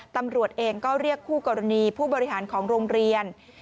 ตำรวจเองก็เรียกคู่กรณีผู้บริหารของโรงเรียน